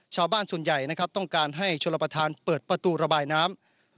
ชาวบ้านส่วนใหญ่นะครับต้องการให้ชลประธานเปิดประตูระบายน้ำ